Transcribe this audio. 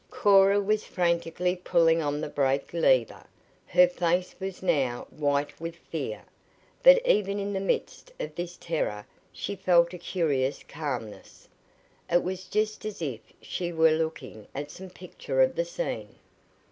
Cora was frantically pulling on the brake lever. Her face was now white with fear, but even in the midst of this terror she felt a curious calmness. It was just as if she were looking at some picture of the scene.